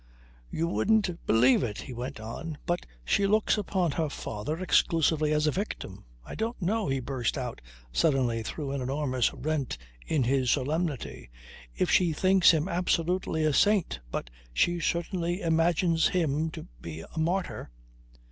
"You wouldn't believe it," he went on, "but she looks upon her father exclusively as a victim. I don't know," he burst out suddenly through an enormous rent in his solemnity, "if she thinks him absolutely a saint, but she certainly imagines him to be a martyr."